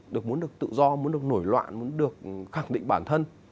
được muốn được tự do muốn được nổi loạn muốn được khẳng định bản thân